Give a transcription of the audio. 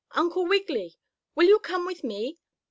Uncle Wiggily! Will you come with me?"